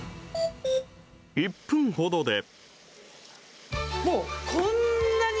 １分ほどで。